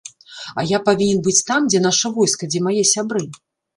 А я павінен быць там, дзе наша войска, дзе мае сябры.